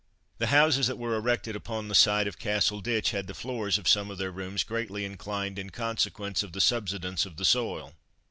The houses that were erected upon the site of Castle Ditch had the floors of some of their rooms greatly inclined in consequence of the subsidence of the soil.